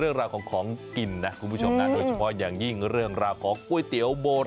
เอวไม่ค่อยจะพริ้วเท่าไหร่